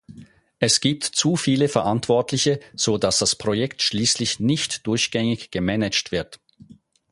Es gibt zu viele Verantwortliche, so dass das Projekt schließlich nicht durchgängig gemanagt wird.